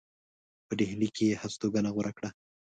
په ډهلي کې یې هستوګنه غوره کړه.